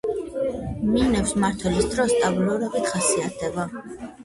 მინების მმართველობის დრო სტაბილურობით ხასიათდება.